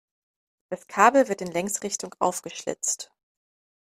Das Kabel wird in Längsrichtung aufgeschlitzt.